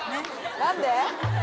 何で？